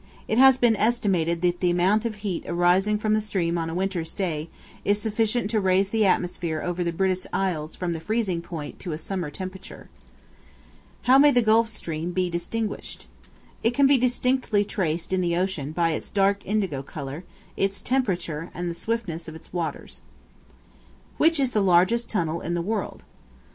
It has been estimated that the amount of heat arising from the stream on a winter's day, is sufficient to raise the atmosphere over the British Isles from the freezing point to a summer temperature. How may the Gulf Stream be distinguished? It can be distinctly traced in the ocean by its dark indigo color, its temperature, and the swiftness of its waters. Which is the largest tunnel in the world?